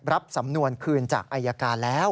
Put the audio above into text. รับสำนวนคืนจากอายการแล้ว